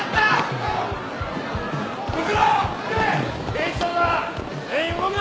警視庁だ。